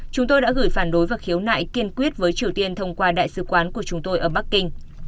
chúng tôi đã gửi phản đối và khiếu nại kiên quyết với triều tiên thông qua đại sứ quán của chúng tôi ở bắc kinh